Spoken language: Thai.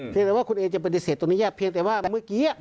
แม้ว่าคุณเอจะปฏิเสธตรงนี้ยากเพียงแต่ว่าเมื่อกี้